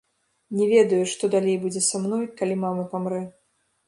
Не ведаю, што далей будзе са мной, калі мама памрэ.